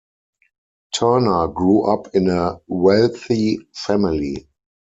Turner grew up in a wealthy family.